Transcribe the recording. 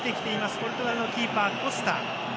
ポルトガルのキーパー、コスタ。